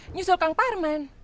nyusul kang parman